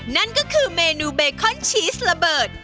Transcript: นั่นก็คือเมนูเบคอนชีสระเบิด